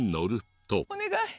お願い！